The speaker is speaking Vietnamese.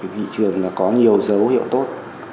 thị trường có nhiều dấu hiệu tốt